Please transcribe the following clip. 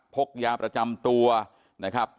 กยาประจำตัวนะครับ